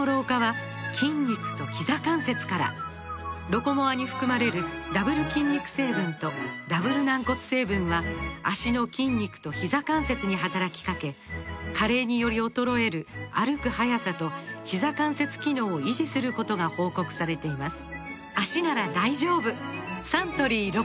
「ロコモア」に含まれるダブル筋肉成分とダブル軟骨成分は脚の筋肉とひざ関節に働きかけ加齢により衰える歩く速さとひざ関節機能を維持することが報告されています